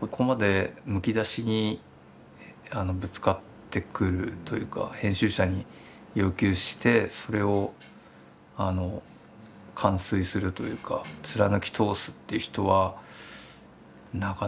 ここまでむき出しにぶつかってくるというか編集者に要求してそれを完遂するというか貫き通すって人はなかなかもう現れないんじゃないかなと。